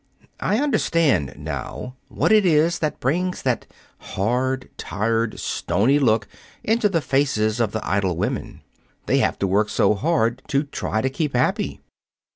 I understand, now, what it is that brings that hard, tired, stony look into the faces of the idle women. They have to work so hard to try to keep happy.